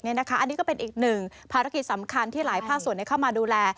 อันนี้ก็เป็นอีกหนึ่งภารกิจสำคัญที่หลายภาคส่วนเข้ามาดูแล